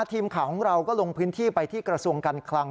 ทีมข่าวของเราก็ลงพื้นที่ไปที่กระทรวงการคลัง